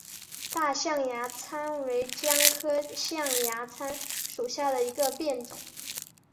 大象牙参为姜科象牙参属下的一个变种。